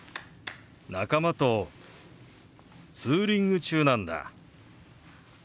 仲間とツーリング中なんだ。